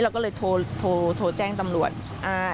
เราก็เลยโทรแจ้งตำรวจ